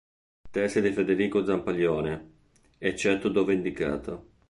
Testi di Federico Zampaglione, eccetto dove indicato.